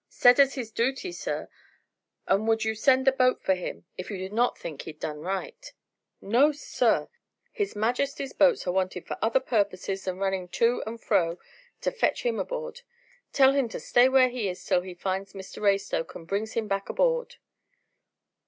"Said as his dooty, sir, and would you send the boat for him if you did not think he'd done right." "No, sir! His Majesty's boats are wanted for other purposes than running to and fro to fetch him aboard. Let him stay where he is till he finds Mr Raystoke and brings him back aboard."